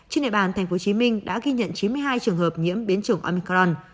trên địa bàn tp hcm đã ghi nhận chín mươi hai trường hợp nhiễm biến chủng amicron